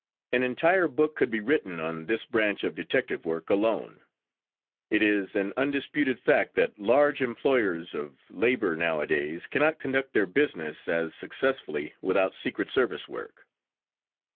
An entire book could be written on this branch of detective work alone. It is an undisputed fact that large employers of labor nowadays cannot conduct their business as successfully without secret service work.